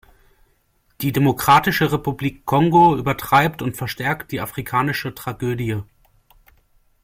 Die Demokratische Republik Kongo übertreibt und verstärkt die afrikanische Tragödie.